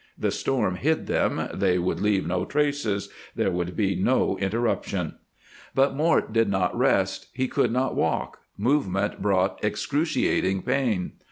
The storm hid them, they would leave no traces, there could be no interruption. But Mort did not rest. He could not walk; movement brought excruciating pain.